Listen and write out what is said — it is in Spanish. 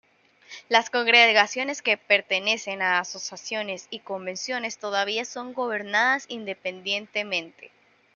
Las congregaciones que pertenecen a asociaciones y convenciones todavía son gobernadas independientemente.